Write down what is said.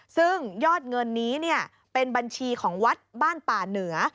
ซึ่งยอดเงินนี้เป็นบัญชีของวัดบ้านป่าเหนือ